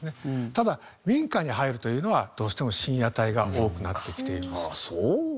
ただ民家に入るというのはどうしても深夜帯が多くなってきています。